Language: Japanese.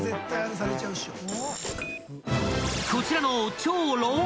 ［こちらの］